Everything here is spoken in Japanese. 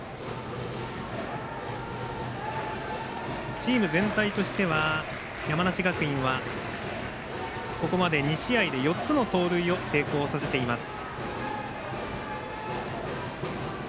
チーム全体としては山梨学院はここまで２試合で４つの盗塁を成功させています。